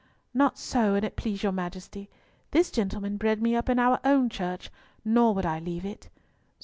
"Not so, an't please your Majesty. This gentleman bred me up in our own Church, nor would I leave it."